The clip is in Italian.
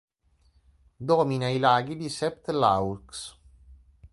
Domina i "laghi di Sept-Laux".